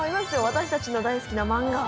私たちの大好きなマンガ。